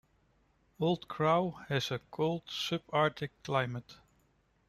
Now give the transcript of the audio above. Old Crow has a cold subarctic climate.